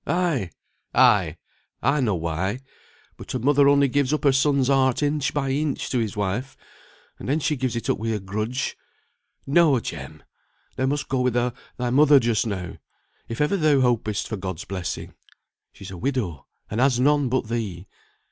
Ay, ay! I know why; but a mother only gives up her son's heart inch by inch to his wife, and then she gives it up with a grudge. No, Jem! thou must go with thy mother just now, if ever thou hopest for God's blessing. She's a widow, and has none but thee.